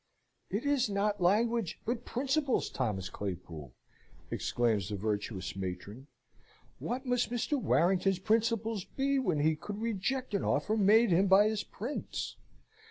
"It is not language, but principles, Thomas Claypool!" exclaims the virtuous matron. "What must Mr. Warrington's principles be, when he could reject an offer made him by his Prince?